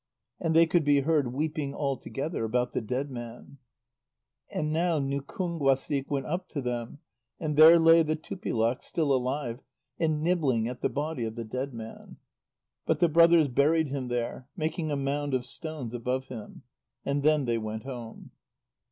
And they could be heard weeping all together about the dead man. And now Nukúnguasik went up to them, and there lay the Tupilak, still alive, and nibbling at the body of the dead man. But the brothers buried him there, making a mound of stones above him. And then they went home.